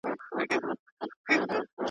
موږ مثلث رسموو.